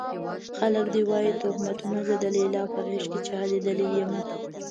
خلک دې وايي تُهمتونه زه د ليلا په غېږ کې چا ليدلی يمه